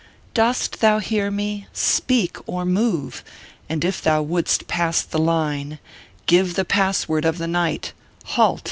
Dost thou hear me ? Speak, or move I And if thou wouldst pass the line, Give the password of the night Halt